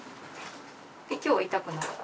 今日は痛くなかった？